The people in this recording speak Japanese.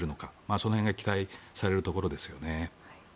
その辺が期待されるところですよね。